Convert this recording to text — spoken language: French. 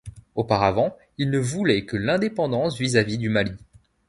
Auparavant, il ne voulait que l'indépendance vis-à-vis du Mali.